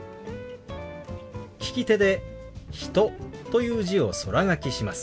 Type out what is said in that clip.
利き手で「人」という字を空書きします。